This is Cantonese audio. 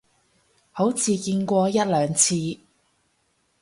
好似見過一兩次